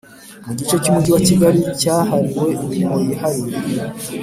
Mu gice cy Umujyi wa Kigali cyahariwe imirimo yihariye